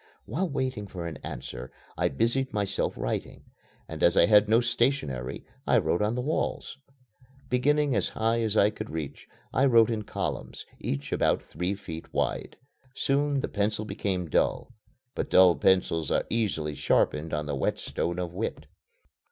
While waiting for an answer, I busied myself writing, and as I had no stationery I wrote on the walls. Beginning as high as I could reach, I wrote in columns, each about three feet wide. Soon the pencil became dull. But dull pencils are easily sharpened on the whetstone of wit.